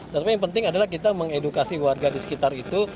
tetapi yang penting adalah kita mengedukasi warga di sekitar itu